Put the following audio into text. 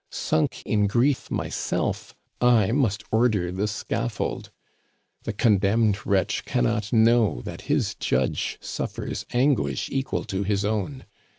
Sunk in grief myself, I must order the scaffold "The condemned wretch cannot know that his judge suffers anguish equal to his own.